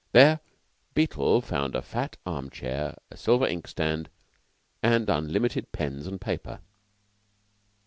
There Beetle found a fat arm chair, a silver inkstand, and unlimited pens and paper.